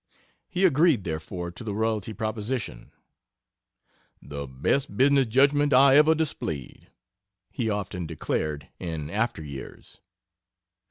He agreed, therefore, to the royalty proposition; "The best business judgment I ever displayed" he often declared in after years.